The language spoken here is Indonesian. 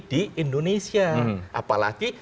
di indonesia apalagi